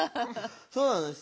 そうなんです